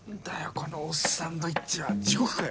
このオッサンドイッチは地獄かよ！